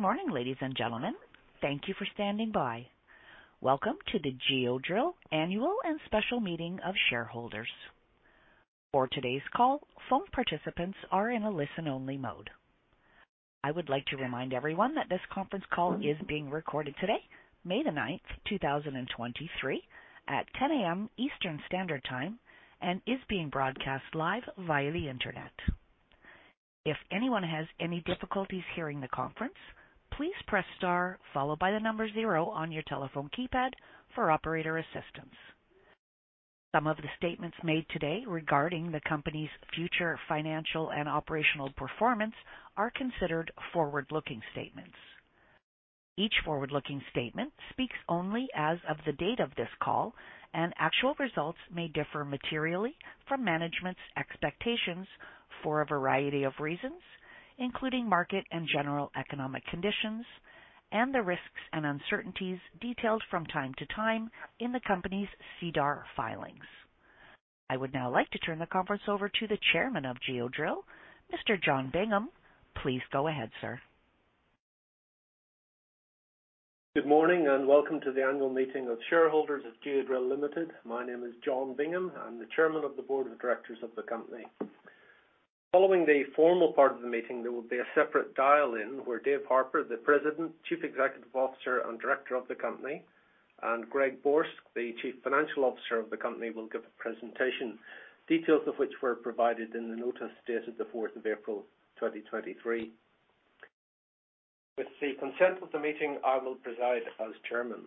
Good morning, ladies and gentlemen. Thank you for standing by. Welcome to the Geodrill Annual and Special Meeting of Shareholders. For today's call, phone participants are in a listen-only mode. I would like to remind everyone that this conference call is being recorded today, May the 9th, 2023, at 10:00 A.M. Eastern Standard Time and is being broadcast live via the Internet. If anyone has any difficulties hearing the conference, please press star followed by the number zero on your telephone keypad for operator assistance. Some of the statements made today regarding the company's future financial and operational performance are considered forward-looking statements. Each forward-looking statement speaks only as of the date of this call, and actual results may differ materially from management's expectations for a variety of reasons, including market and general economic conditions and the risks and uncertainties detailed from time to time in the company's SEDAR filings. I would now like to turn the conference over to the chairman of Geodrill, Mr. John Bingham. Please go ahead, sir. Good morning, welcome to the annual meeting of shareholders of Geodrill Limited. My name is John Bingham. I'm the chairman of the board of directors of the company. Following the formal part of the meeting, there will be a separate dial-in where Dave Harper, the president, chief executive officer, and director of the company, and Greg Borsk, the chief financial officer of the company, will give a presentation, details of which were provided in the notice dated April 4, 2023. With the consent of the meeting, I will preside as chairman.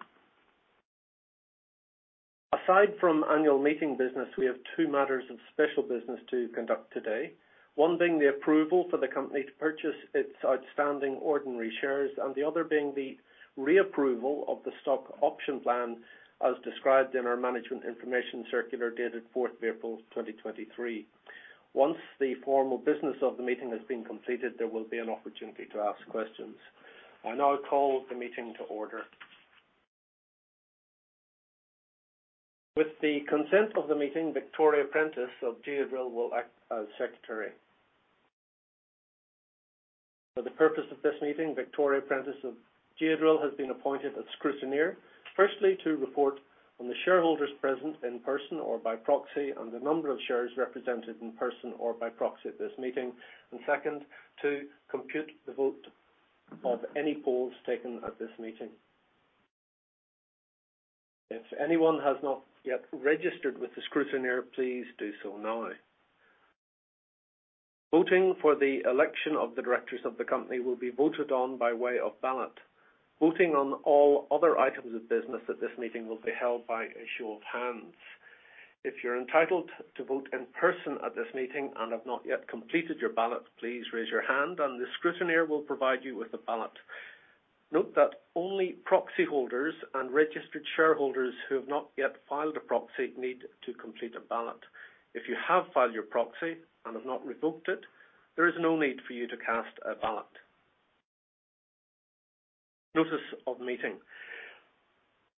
Aside from annual meeting business, we have two matters of special business to conduct today. One being the approval for the company to purchase its outstanding ordinary shares, and the other being the reapproval of the stock option plan as described in our Management Information Circular dated April 4, 2023. Once the formal business of the meeting has been completed, there will be an opportunity to ask questions. I now call the meeting to order. With the consent of the meeting, Victoria Prentice of Geodrill will act as secretary. For the purpose of this meeting, Victoria Prentice of Geodrill has been appointed as scrutineer. Firstly, to report on the shareholders present in person or by proxy, and the number of shares represented in person or by proxy at this meeting. Second, to compute the vote of any polls taken at this meeting. If anyone has not yet registered with the scrutineer, please do so now. Voting for the election of the directors of the company will be voted on by way of ballot. Voting on all other items of business at this meeting will be held by a show of hands. If you're entitled to vote in person at this meeting and have not yet completed your ballot, please raise your hand and the scrutineer will provide you with a ballot. Note that only proxy holders and registered shareholders who have not yet filed a proxy need to complete a ballot. If you have filed your proxy and have not revoked it, there is no need for you to cast a ballot. Notice of meeting.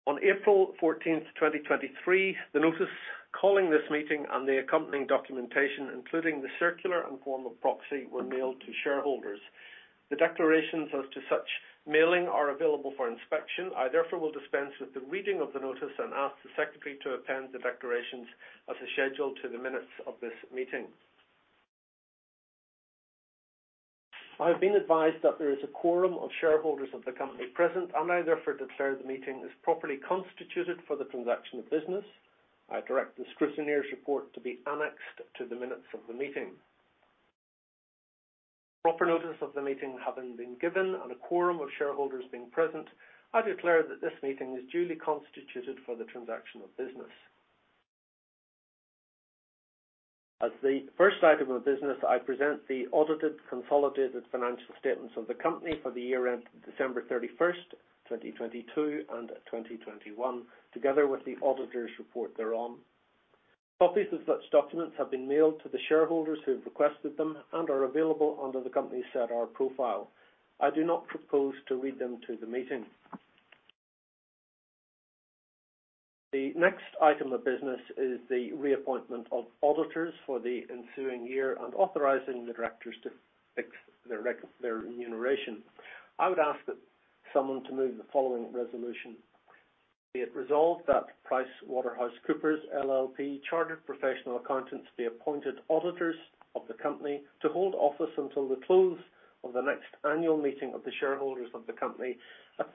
On April 14th, 2023, the notice calling this meeting and the accompanying documentation, including the circular and formal proxy, were mailed to shareholders. The declarations as to such mailing are available for inspection. I therefore will dispense with the reading of the notice and ask the Secretary to append the declarations as a schedule to the minutes of this meeting. I've been advised that there is a quorum of shareholders of the company present, and I therefore declare the meeting is properly constituted for the transaction of business. I direct the scrutineer's report to be annexed to the minutes of the meeting. Proper notice of the meeting having been given and a quorum of shareholders being present, I declare that this meeting is duly constituted for the transaction of business. As the first item of business, I present the audited consolidated financial statements of the company for the year ended December 31st, 2022 and 2021, together with the auditor's report thereon. Copies of such documents have been mailed to the shareholders who have requested them and are available under the company's SEDAR profile. I do not propose to read them to the meeting. The next item of business is the reappointment of auditors for the ensuing year and authorizing the directors to fix their remuneration. I would ask that someone to move the following resolution. Be it resolved that PricewaterhouseCoopers LLP chartered professional accountants be appointed auditors of the company to hold office until the close of the next annual meeting of the shareholders of the company at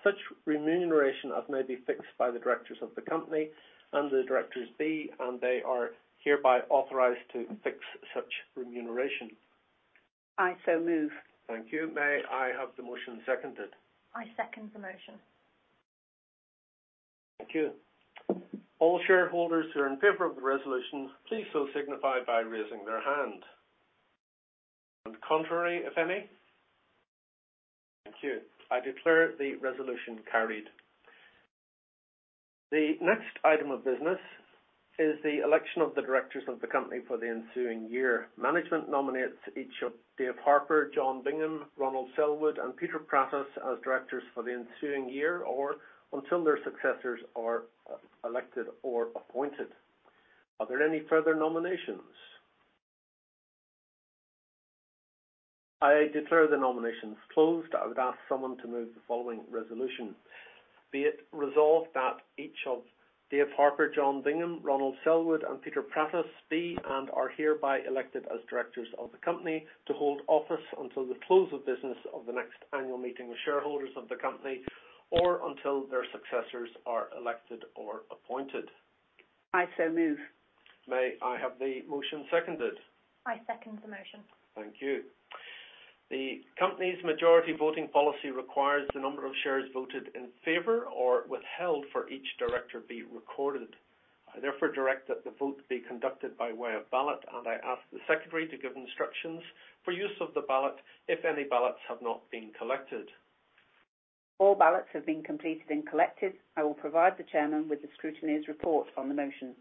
such remuneration as may be fixed by the directors of the company and the directors be, and they are hereby authorized to fix such remuneration. I so move. Thank you. May I have the motion seconded? I second the motion. Thank you. All shareholders who are in favor of the resolution, please so signify by raising their hand. Contrary, if any? Thank you. I declare the resolution carried. The next item of business is the election of the directors of the company for the ensuing year. Management nominates each of Dave Harper, John Bingham, Ron Sellwood, and Peter Prattas as directors for the ensuing year or until their successors are elected or appointed. Are there any further nominations? I declare the nominations closed. I would ask someone to move the following resolution. Be it resolved that each of Dave Harper, John Bingham, Ron Sellwood, and Peter Prattas be and are hereby elected as directors of the company to hold office until the close of business of the next annual meeting with shareholders of the company or until their successors are elected or appointed. I so move. May I have the motion seconded? I second the motion. Thank you. The company's majority voting policy requires the number of shares voted in favor or withheld for each director be recorded. I therefore direct that the vote be conducted by way of ballot. I ask the secretary to give instructions for use of the ballot if any ballots have not been collected. All ballots have been completed and collected. I will provide the Chairman with the scrutineer's report on the motion.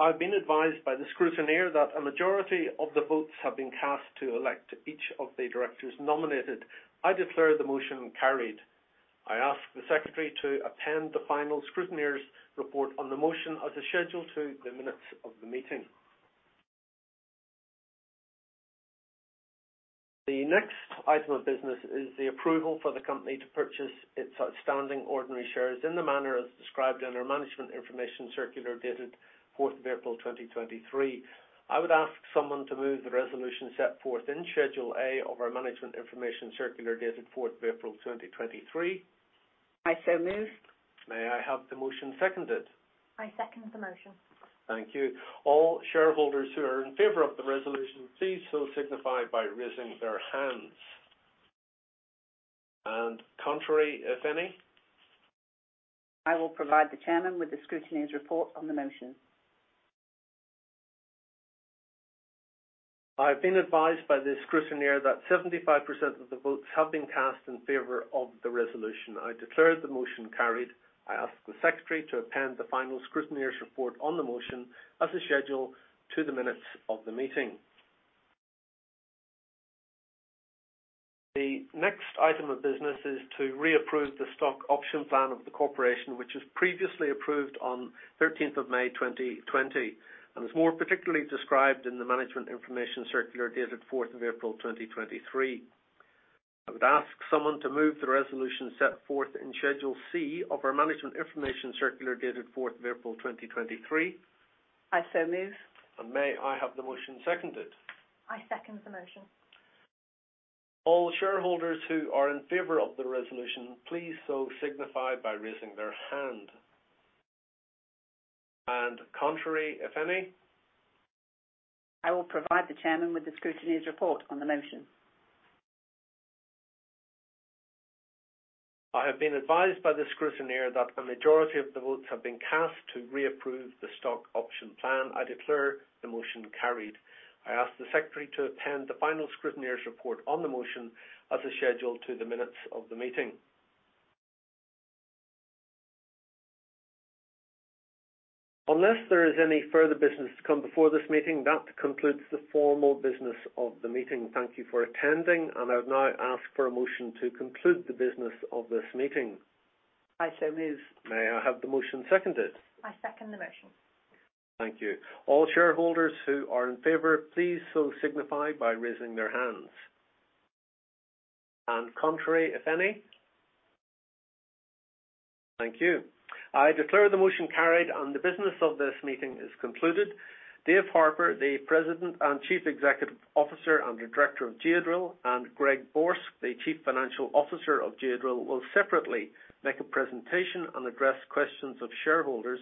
I've been advised by the scrutineer that a majority of the votes have been cast to elect each of the directors nominated. I declare the motion carried. I ask the secretary to append the final scrutineer's report on the motion as a schedule to the minutes of the meeting. The next item of business is the approval for the company to purchase its outstanding ordinary shares in the manner as described in our Management Information Circular dated 4th of April, 2023. I would ask someone to move the resolution set forth in Schedule A of our Management Information Circular dated 4th of April, 2023. I so move. May I have the motion seconded? I second the motion. Thank you. All shareholders who are in favor of the resolution, please so signify by raising their hands. Contrary, if any. I will provide the chairman with the scrutineer's report on the motion. I have been advised by the scrutineer that 75% of the votes have been cast in favor of the resolution. I declare the motion carried. I ask the secretary to append the final scrutineer's report on the motion as a schedule to the minutes of the meeting. The next item of business is to reapprove the stock option plan of the corporation, which was previously approved on 13th of May, 2020, and is more particularly described in the Management Information Circular dated 4th of April, 2023. I would ask someone to move the resolution set forth in Schedule C of our Management Information Circular dated 4th of April, 2023. I so move. May I have the motion seconded? I second the motion. All shareholders who are in favor of the resolution, please so signify by raising their hand. Contrary, if any. I will provide the Chairman with the scrutineer's report on the motion. I have been advised by the scrutineer that a majority of the votes have been cast to reapprove the stock option plan. I declare the motion carried. I ask the secretary to append the final scrutineer's report on the motion as a schedule to the minutes of the meeting. Unless there is any further business to come before this meeting, that concludes the formal business of the meeting. Thank you for attending, and I would now ask for a motion to conclude the business of this meeting. I so move. May I have the motion seconded? I second the motion. Thank you. All shareholders who are in favor, please so signify by raising their hands. Contrary, if any. Thank you. I declare the motion carried and the business of this meeting is concluded. Dave Harper, the President and Chief Executive Officer and Director of Geodrill, and Greg Borsk, the Chief Financial Officer of Geodrill, will separately make a presentation and address questions of shareholders.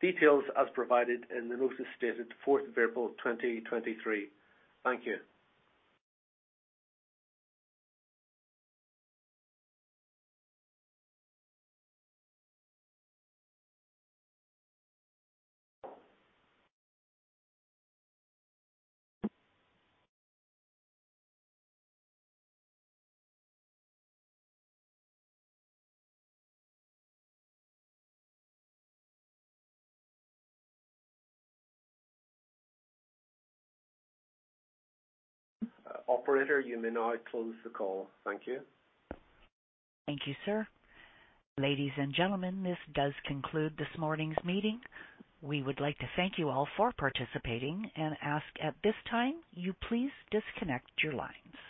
Details as provided in the notice dated 4th of April, 2023. Thank you. Operator, you may now close the call. Thank you. Thank you, sir. Ladies and gentlemen, this does conclude this morning's meeting. We would like to thank you all for participating and ask at this time you please disconnect your lines.